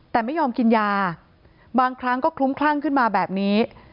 แต่ไม่ยอมกินยาบางครั้งก็คลุ้มคลั่งขึ้นมาแบบนี้